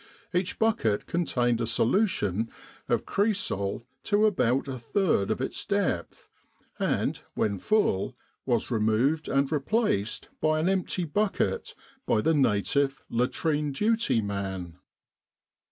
Each bucket contained a solution of cresol to about a third of its depth, and, when full, was removed and replaced by an empty bucket by the native latrine duty man.